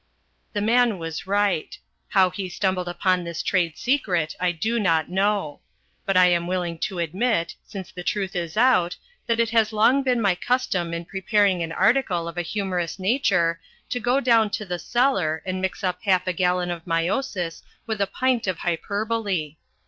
The man was right. How he stumbled upon this trade secret I do not know. But I am willing to admit, since the truth is out, that it has long been my custom in preparing an article of a humorous nature to go down to the cellar and mix up half a gallon of myosis with a pint of hyperbole.